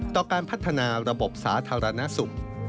ต่อการพัฒนาระบบสาธารณสุข